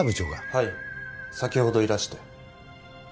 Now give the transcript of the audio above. はい先ほどいらして。